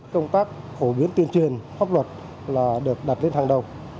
công tác phổ biến tuyên truyền pháp luật là được đặt lên hàng đầu